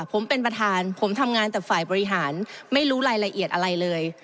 ผมเป็นประธานผมทำงานแต่ฝ่ายบริหารไม่รู้รายละเอียดอะไรเลย